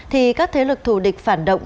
thì các thế lực thù địch phản động